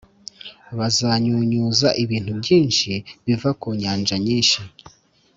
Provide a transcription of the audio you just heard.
Bazanyunyuza ibintu byinshi biva ku nyanja nyinshi